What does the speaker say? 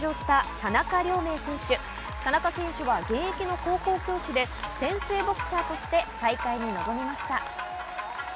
田中選手は現役の高校教師で先生ボクサーとして大会に臨みました。